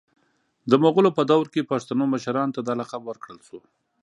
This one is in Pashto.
د مغولو په دور کي پښتنو مشرانو ته دا لقب ورکړل سو